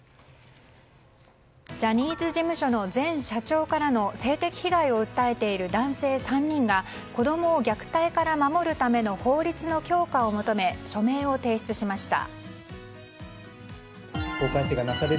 ジャニーズ事務所の前社長からの性的被害を訴えている男性３人が子供を虐待から守るための法律の強化を求め署名を提出しました。